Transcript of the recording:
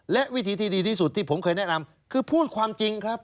และวิธีที่ดีที่สุดที่ผมเคยแนะนำคือพูดความจริงครับ